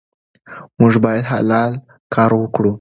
موږ باید حلال کار وکړو.